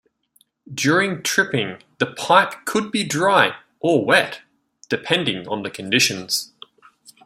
During tripping, the pipe could be dry or wet depending on the conditions.